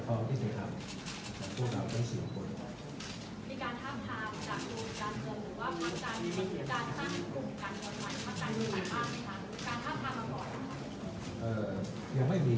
ผมก็เชื่อว่าพี่หลักทุกท่านก็เอ่อยังไม่ได้ยังไม่ได้